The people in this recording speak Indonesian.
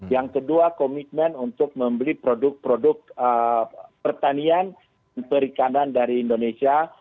yang kedua komitmen untuk membeli produk produk pertanian dan perikanan dari indonesia